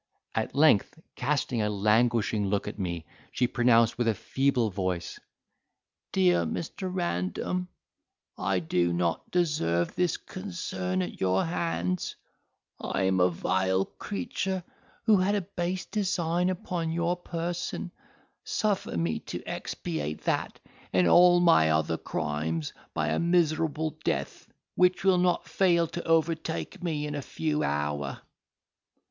At length, casting a languishing look at me, she pronounced with a feeble voice, "Dear Mr. Random, I do not deserve this concern at your hands: I am a vile creature, who had a base design upon your person—suffer me, to expiate that, and all my other crimes, by a miserable death, which will not fail to overtake me in a few hours."